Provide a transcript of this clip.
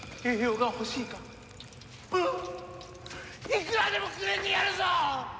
いくらでもくれてやるぞ！